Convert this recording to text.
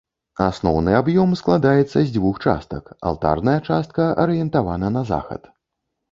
Асноўны аб'ём складаецца з дзвюх частак, алтарная частка арыентавана на захад.